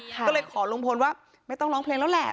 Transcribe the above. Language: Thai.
ก็เลยขอลุงพลว่าไม่ต้องร้องเพลงแล้วแหละ